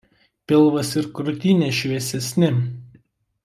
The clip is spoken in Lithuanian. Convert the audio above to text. Pilvas ir krūtinė šviesesni.